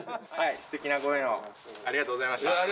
すてきなご縁をありがとうございました。